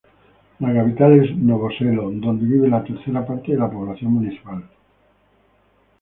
La capital es Novo Selo, donde vive la tercera parte de la población municipal.